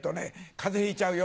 風邪ひいちゃうよ」。